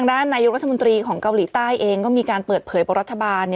ด้านนายกรัฐมนตรีของเกาหลีใต้เองก็มีการเปิดเผยบอกรัฐบาล